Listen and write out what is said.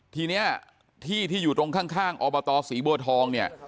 ทีนี้ที่ที่อยู่ตรงข้างอบตศรีบัวทองเนี่ย